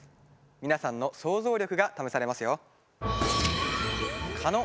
皆さんの想像力が試されますよ。